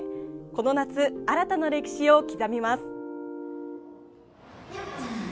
この夏、新たな歴史を刻みます。